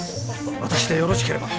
私でよろしければ。